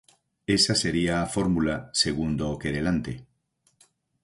Esa sería a fórmula, segundo o querelante.